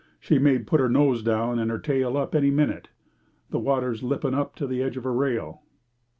"She may put her nose down and her tail up any minute. The water's lipping up to the edge of her rail."